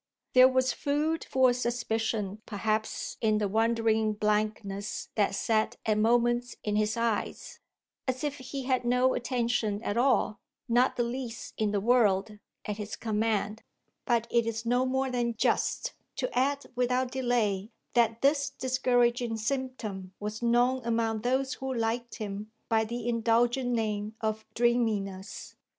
There was food for suspicion perhaps in the wandering blankness that sat at moments in his eyes, as if he had no attention at all, not the least in the world, at his command; but it is no more than just to add without delay that this discouraging symptom was known among those who liked him by the indulgent name of dreaminess.